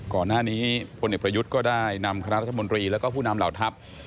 ก่อนหน้านี้พลเอกประยุทธ์ก็ได้นำคณะรัฐมนตรีแล้วก็ผู้นำเหล่าทัพ